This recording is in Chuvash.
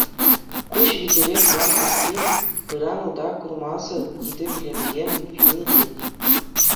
Куҫ витӗрех мар пирки, пыран ута курмасӑр, йытӑ вилӗмпе вилнӗ, тет.